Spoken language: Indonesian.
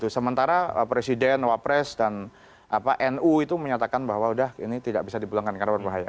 sementara presiden wapres dan nu itu menyatakan bahwa udah ini tidak bisa dipulangkan karena berbahaya